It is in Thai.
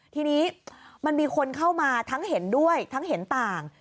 ทีนี้มันมีคนเข้ามาทั้งเห็นด้วยทั้งเห็นต่าง